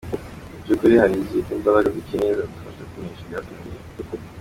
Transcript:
Mu by’ukuri hari izindi mbaraga dukeneye zadufasha kunesha ibyatunaniye.